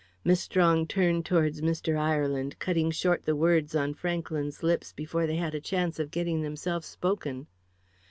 Miss Strong turned towards Mr. Ireland, cutting short the words on Franklyn's lips before they had a chance of getting themselves spoken.